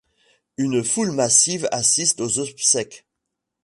Une foule massive assiste aux obsèques.